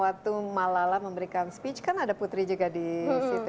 waktu malala memberikan speech kan ada putri juga di situ